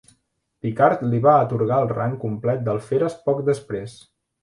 Picard li va atorgar el rang complet d'alferes poc després.